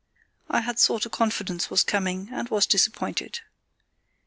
I had thought a confidence was coming, and was disappointed.